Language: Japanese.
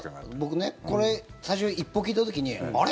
僕ね、これ最初、一報を聞いた時にあれ？